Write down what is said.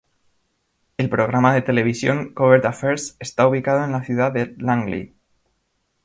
El programa de televisión "Covert Affairs" está ubicado en la ciudad de Langley.